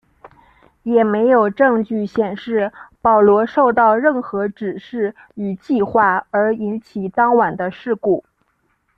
也没有证据显示保罗受到任何指示与计划而引起当晚的事故。